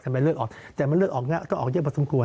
เลือดออกแต่มันเลือดออกก็ออกเยอะพอสมควร